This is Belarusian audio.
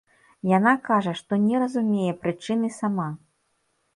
Яна кажа, што не разумее прычын і сама.